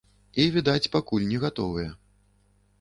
І відаць, пакуль не гатовыя.